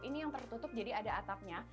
ini yang tertutup jadi ada atapnya